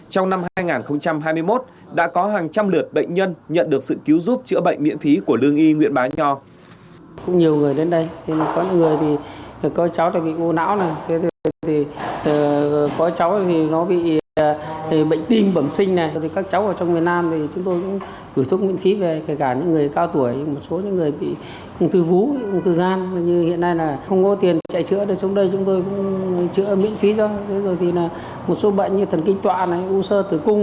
trong năm hai nghìn hai mươi một đã có hàng trăm lượt bệnh nhân nhận được sự cứu giúp chữa bệnh miễn phí của lương y nguyễn bá nho